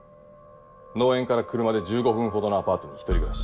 農園から車で１５分ほどのアパートに１人暮らし。